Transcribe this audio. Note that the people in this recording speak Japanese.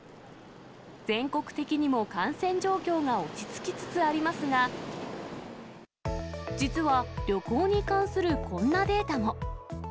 全国的にも感染状況が落ち着きつつありますが、実は、旅行に関するこんなデータも。